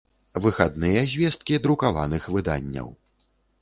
Выхадныя звесткi друкаваных выданняў